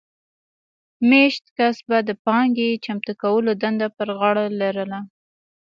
مېشت کس به د پانګې چمتو کولو دنده پر غاړه لرله